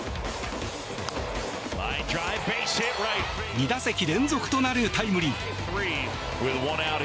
２打席連続となるタイムリー。